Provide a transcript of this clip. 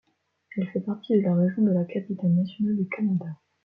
Elle fait partie de la région de la capitale nationale du Canada.